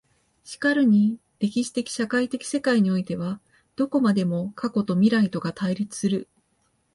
然るに歴史的社会的世界においてはどこまでも過去と未来とが対立する。